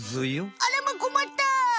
あらまこまった！